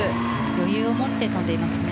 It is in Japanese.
余裕を持って跳んでいますね。